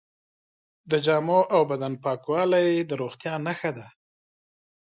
د جامو او بدن پاکوالی د روغتیا نښه ده.